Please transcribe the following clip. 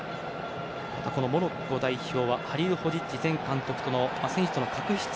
モロッコ代表はハリルホジッチ前監督との選手との確執。